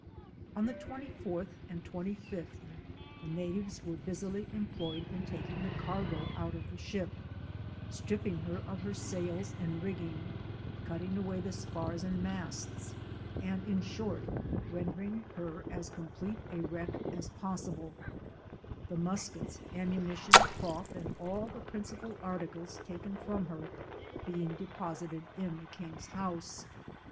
On the 24th and 25th, the natives were busily employed'iR taking the cargo out of the ship, strip ping her of her sails and rigging, cutting away the spars and masts, and in short, rendering her as com plete a wreck as possible, them uskets, ammunition, cloth, and all tlie priacipal articles taken from her, being deposited in the king's house.